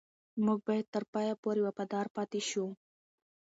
موږ به تر پایه پورې وفادار پاتې شو.